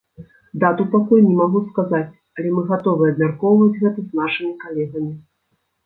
Дату пакуль не магу сказаць, але мы гатовыя абмяркоўваць гэта з нашымі калегамі.